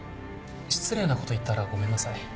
失礼なこと言ったらごめんなさい。